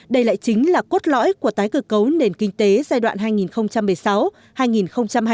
đây lại chính là cốt lõi của tái cơ cấu nền kinh tế giai đoạn hai nghìn một mươi sáu hai nghìn hai mươi